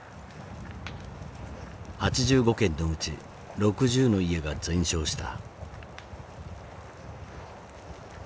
８５軒のうち６０の家が全焼した。